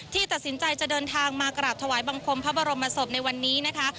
ที่ตัดสินใจจะเดินทางมากราบถวายบังคมพระบรมศพในวันนี้นะคะ